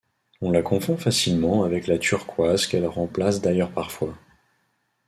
On la confond facilement avec la turquoise qu'elle remplace d'ailleurs parfois.